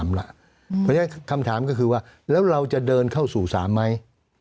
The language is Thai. เพราะฉะนั้นคำถามก็คือว่าแล้วเราจะเดินเข้าสู่ศาลไหม